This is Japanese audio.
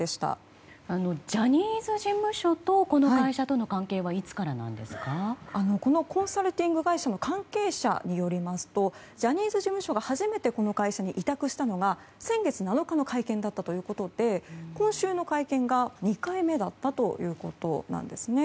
ジャニーズ事務所とこの会社との関係はこのコンサルティング会社の関係者によりますとジャニーズ事務所が初めてこの会社に委託したのは先月７日の会見だったということで今週の会見が２回目だったということです。